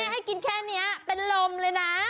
ให้กินแค่นี้เป็นลมเลยนะ